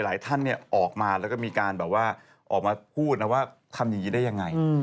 หลายท่านออกมาแล้วก็มีการแบบว่าออกมาพูดนะว่าทำอย่างนี้ได้ยังไง